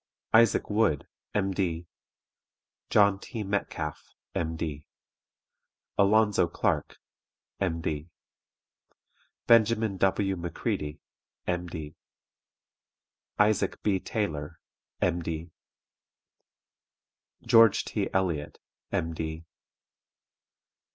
ISAAC WOOD, M.D. JOHN T. METCALFE, M.D. ALONZO CLARK, M.D. BENJAMIN W. M'CREADY, M.D. ISAAC B. TAYLOR, M.D. GEORGE T. ELLIOTT, M.